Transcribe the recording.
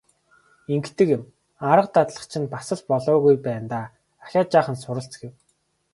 Ингэдэг юм, арга дадлага чинь бас л болоогүй байна даа, ахиад жаахан суралц гэв.